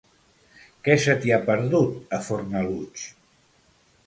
Què se t'hi ha perdut, a Fornalutx?